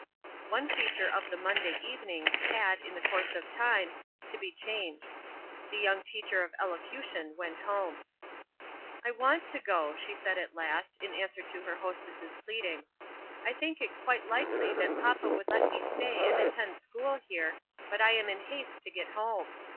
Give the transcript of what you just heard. One feature of the "Monday Evenings" had, in the course of time, to be changed. The young teacher of elocution went home. "I want to go," she said at last, in answer to her hostess' pleading. "I think it quite likely that papa would let me stay and attend school here; but I am in haste to get home.